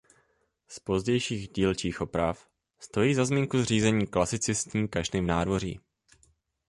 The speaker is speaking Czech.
Z pozdějších dílčích oprav stojí za zmínku zřízení klasicistní kašny v nádvoří.